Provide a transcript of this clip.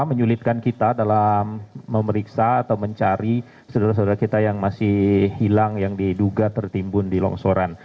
menyulitkan kita dalam memeriksa atau mencari saudara saudara kita yang masih hilang yang diduga tertimbun di longsoran